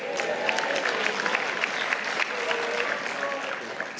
kita berpolitik dengan santui dan santun